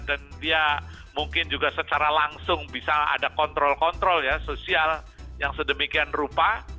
dan dia mungkin juga secara langsung bisa ada kontrol kontrol ya sosial yang sedemikian rupa